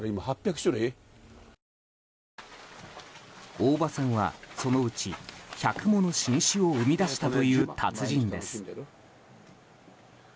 大場さんはそのうち１００もの新種を生み出したという達人です。